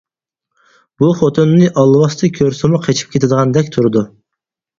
بۇ خوتۇننى ئالۋاستى كۆرسىمۇ قېچىپ كېتىدىغاندەك تۇرىدۇ.